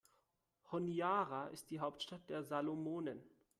Honiara ist die Hauptstadt der Salomonen.